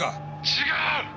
「違う！！